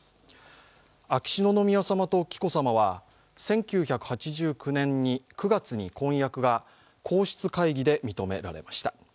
秋篠宮さまと紀子さまは１９８９年９月に皇室会議で認められました。